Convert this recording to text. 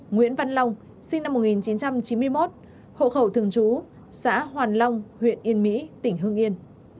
nguyễn văn long sinh năm một nghìn chín trăm chín mươi một hộ khẩu thường trú xã hoàn long huyện yên mỹ tỉnh hương yên